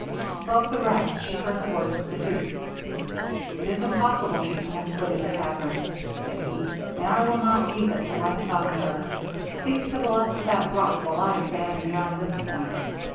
Above the rest she heard the voice of the duke. 'It is impossible she can have quitted the cavern,' said he, 'and I will not leave it till I have found her. Seek to the left of that rock, while I examine beyond this point.'